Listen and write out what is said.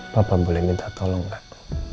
papa boleh minta tolong gak